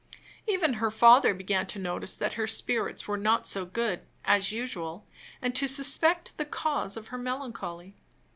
Even her father began to notice that her spirits were not so good as usual, and to suspect the cause of her melancholy.